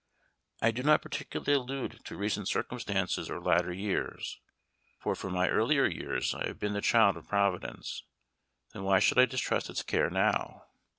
I do not particularly allude to recent circumstances or latter years, for from my earlier years I have been the child of Providence then why should I distrust its care now?